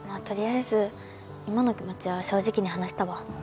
とりあえず今の気持ちは正直に話したわあ